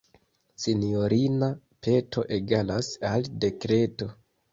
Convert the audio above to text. Sinjorina peto egalas al dekreto.